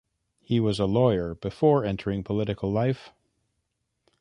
He was a lawyer before entering political life.